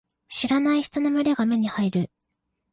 知らない人の群れが目に入る。